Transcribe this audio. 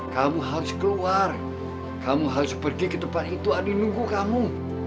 kamu harus keluar kamu harus pergi ke tempat itu adik nunggu kamu